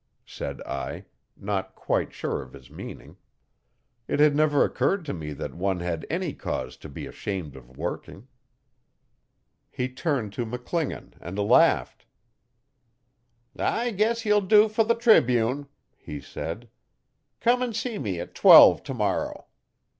said I, not quite sure of his meaning. It had never occurred to me that one had any cause to be ashamed of working. He turned to McClingan and laughed. 'I guess you'll do for the Tribune,' he said. 'Come and see me at twelve tomorrow.